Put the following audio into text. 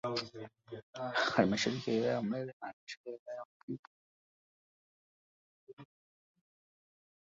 Halmashauri ya wilaya ya Mlele na halmashauri ya wilaya ya Mpimbwe